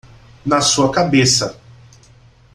Na sua cabeça!